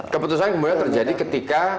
keputusan kemudian terjadi ketika